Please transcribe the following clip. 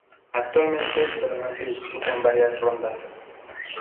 Actualmente el torneo se disputa en varias rondas.